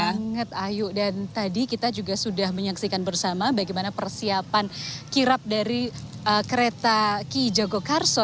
banget ayu dan tadi kita juga sudah menyaksikan bersama bagaimana persiapan kirap dari kereta ki jogokarso